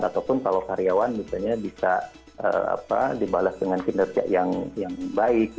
ataupun kalau karyawan misalnya bisa dibalas dengan kinerja yang baik